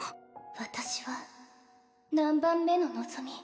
私は何番目の望？